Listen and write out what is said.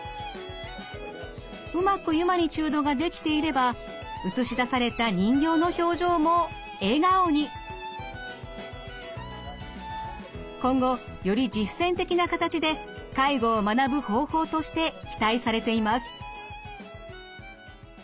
うまくユマニチュードができていれば映し出された今後より実践的な形で介護を学ぶ方法として期待されています。